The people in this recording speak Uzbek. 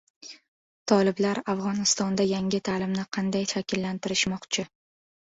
Toliblar Afg‘onistonda yangi ta’limni qanday shakllantirishmoqchi